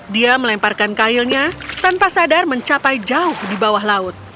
dia melemparkan kailnya tanpa sadar mencapai jauh di bawah laut